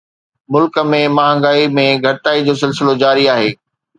ملڪ ۾ مهانگائي ۾ گهٽتائي جو سلسلو جاري آهي